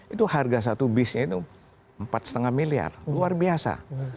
itu harga satu bisnya itu empat lima miliar luar biasa